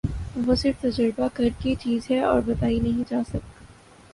وہ صرف تجربہ کر کی چیز ہے اور بتائی نہیں جاسک